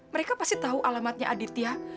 mereka pasti tahu alamatnya aditya